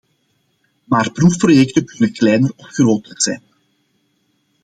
Maar proefprojecten kunnen kleiner of groter zijn.